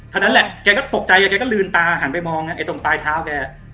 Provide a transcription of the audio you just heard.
เท่านั้นแหละแกก็ตกใจแกก็ลืมตาหันไปมองไอ้ตรงปลายเท้าแก